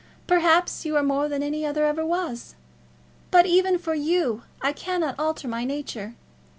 Perhaps you are more than any other ever was. But, even for you, I cannot alter my nature.